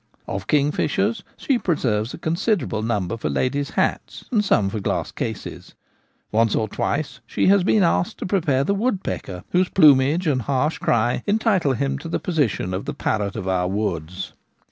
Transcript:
Of kingfishers she preserves a considerable number for ladies' hats, and some for glass cases. Once or twice she has beer* asked to prepare the woodpecker, whose plumage and harsh cry entitle him to the position of the parrot of our woods.